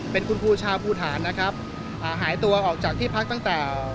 เป็นคุณครูชาภูฐานนะครับอ่าหายตัวออกจากที่พักตั้งแต่